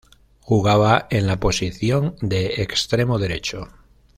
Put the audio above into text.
Jugaba en la posición de extremo derecho.